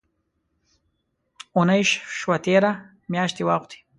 اوونۍ شوه تېره، میاشتي واوښتې